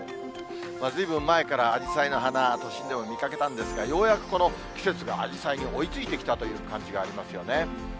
ずいぶん前からあじさいの花、都心でも見かけたんですが、ようやくこの季節があじさいに追いついてきたという感じがありますよね。